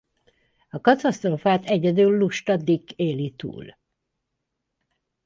A katasztrófát egyedül Lusta Dick éli túl.